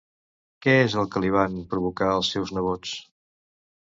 Què és el que li van provocar els seus nebots?